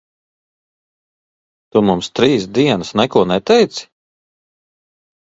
Tu mums trīs dienas neko neteici?